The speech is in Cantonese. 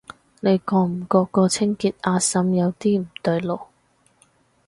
你覺唔覺個清潔阿嬸有啲唔對路？